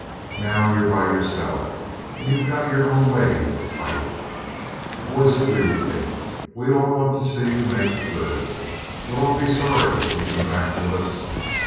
Now you're by yourself and you've got your own way to fight. The boys agree with me. We all want to see you make good. We'll all be sorry if you come back to us.